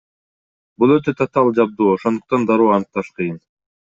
Бул өтө татаал жабдуу, ошондуктан дароо аныкташ кыйын.